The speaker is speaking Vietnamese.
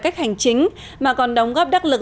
cách hành chính mà còn đóng góp đắc lực